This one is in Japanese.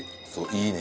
いいね